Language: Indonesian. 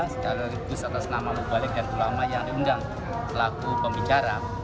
sekaligus atas nama bumpers saudaraan alumni dua ratus dua belas dan ulama yang diundang selaku pembicara